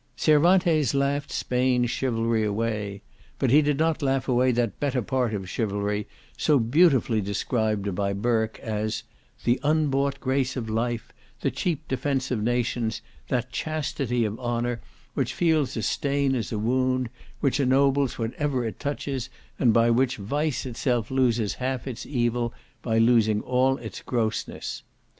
"Cervantes laughed Spain's chivalry away," but he did not laugh away that better part of chivalry, so beautifully described by Burke as "the unbought grace of life, the cheap defence of nations, that chastity of honour, which feels a stain as a wound, which ennobles whatever it touches, and by which vice itself loses half its evil, by losing all its grossness."